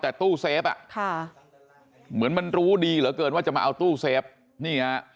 แต่ตู้เซฟอ่ะค่ะเหมือนมันรู้ดีเหลือเกินว่าจะมาเอาตู้เซฟนี่ฮะ